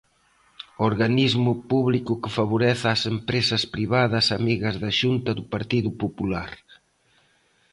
Organismo Público que favorece ás Empresas Privadas amigas da Xunta do Partido Popular.